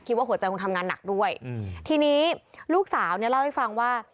ว่าหัวใจคงทำงานหนักด้วยทีนี้ลูกสาวเนี่ยเล่าให้ฟังว่า